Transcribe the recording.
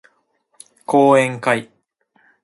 講演会